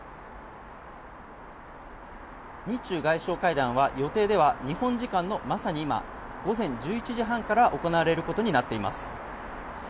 日中外相会談は予定では日本時間のまさに今午前１１時半から行われることになっています。